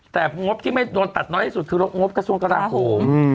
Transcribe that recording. แต่งบที่ไม่โดนตัดน้อยที่สุดคือลบงบกระทรวงกราโหม